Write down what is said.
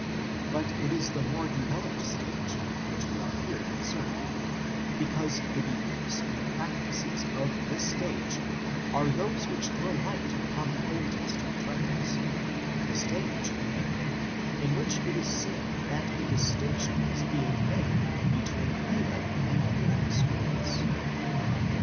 But it is the more developed stage with which we are here concerned, because the beliefs and practices of this stage are those which throw light upon the Old Testament records, the stage, namely, in which it is seen that a distinction is being made between evil and good spirits.